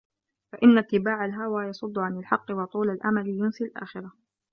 فَإِنَّ اتِّبَاعَ الْهَوَى يَصُدُّ عَنْ الْحَقِّ وَطُولَ الْأَمَلِ يُنْسِي الْآخِرَةَ